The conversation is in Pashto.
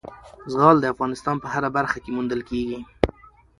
زغال د افغانستان په هره برخه کې موندل کېږي.